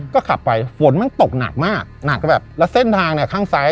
ก็ขับไปฝนมันตกหนักมากหนักก็แบบแล้วเส้นทางเนี่ยข้างซ้าย